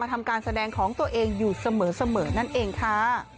ทำการแสดงของตัวเองอยู่เสมอนั่นเองค่ะ